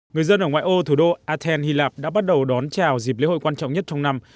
người dân ở ngoại ô thủ đô athen hy lạp đã bắt đầu đón chào dịp lễ hội quan trọng nhất trong năm